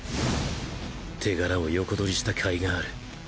手柄を横取りした甲斐がある。